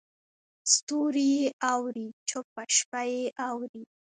ستوري یې اوري چوپه شپه یې اوري